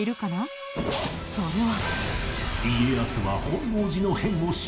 それは。